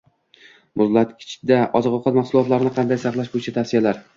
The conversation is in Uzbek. Muzlatkichda oziq-ovqat mahsulotlarini qanday saqlash bo‘yicha tavsiyalar